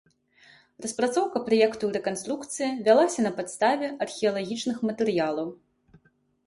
Распрацоўка праекту рэканструкцыі вялася на падставе археалагічных матэрыялаў.